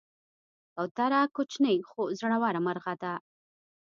کوتره کوچنۍ خو زړوره مرغه ده.